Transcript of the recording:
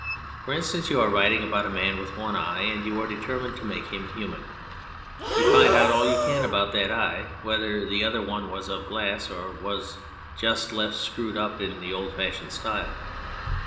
For instance, you are writing about a man with one eye, and you are determined to make him human ; you find out all you can about that eye, whether the other one was of glass, or was just left screwed up in the old fashioned style.